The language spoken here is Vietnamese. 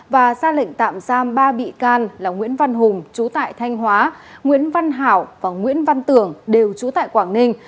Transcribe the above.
và ra lệnh tạm giam ba bị can là nguyễn văn hùng chú tại thanh hóa nguyễn văn hảo và nguyễn văn tưởng đều trú tại quảng ninh